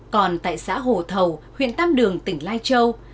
còn tại xã hồ thầu huyện tam đường tỉnh lai châu